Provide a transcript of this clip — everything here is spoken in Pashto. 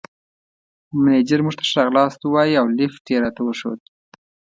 مېنېجر موږ ته ښه راغلاست ووایه او لېفټ یې راته وښود.